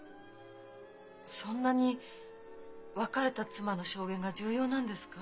そんなに別れた妻の証言が重要なんですか？